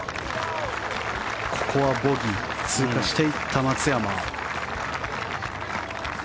ここはボギーで通過していった松山。